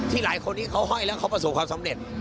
หลายคนที่เขาห้อยแล้วเขาประสบความสำเร็จ